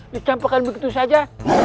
dicampurkan begitu saja